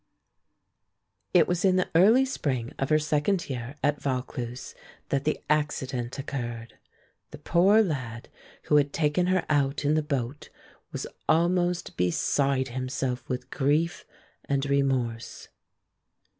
It was in the early spring of her second year at Vaucluse that the accident occurred. The poor lad who had taken her out in the boat was almost beside himself with grief and remorse.